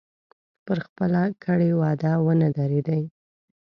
پر خپله کړې وعده ونه درېدی.